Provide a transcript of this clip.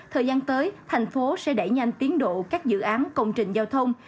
thời gian tới thành phố sẽ đẩy nhanh tiến độ các dự án công trình giao thông